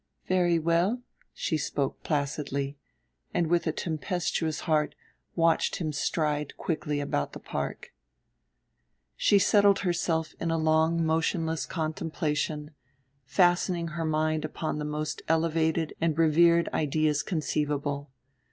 "Very well." She spoke placidly, and with a tempestuous heart watched him stride quickly about the park. She settled herself in a long motionless contemplation, fastening her mind upon the most elevated and revered ideas conceivable.